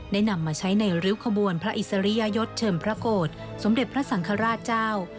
นำมาใช้ในริ้วขบวนพระอิสริยยศเชิมพระโกรธสมเด็จพระสังฆราชเจ้า